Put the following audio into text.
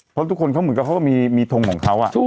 เพราะทุกคนมีทงของเขาอ่ะ